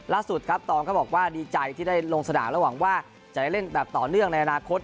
ครับตองก็บอกว่าดีใจที่ได้ลงสนามและหวังว่าจะได้เล่นแบบต่อเนื่องในอนาคต